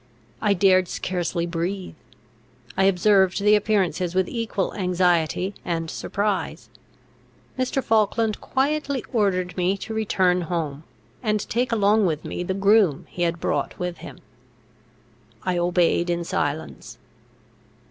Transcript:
I dared scarcely breathe; I observed the appearances with equal anxiety and surprise. Mr. Falkland quietly ordered me to return home, and take along with me the groom he had brought with him. I obeyed in silence.